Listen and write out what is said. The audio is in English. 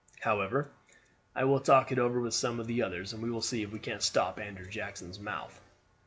However, I will talk it over with some of the others, and we will see if we can't stop Andrew Jackson's mouth."